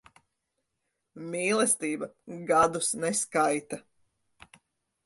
Mīlestība gadus neskaita.